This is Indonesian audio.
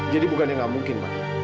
jadi bukannya nggak mungkin ma